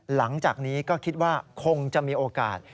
หลังจากนี้ก็คิดว่าคงจะมีโอกาส